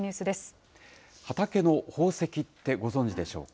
畑の宝石ってご存じでしょうか。